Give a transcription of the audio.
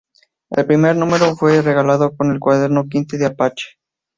El primer número fue regalado con el cuaderno quinto de "Apache".